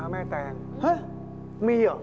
มีเหรอ